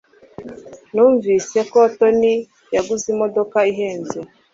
Numvise ko Tony yaguze imodoka ihenze.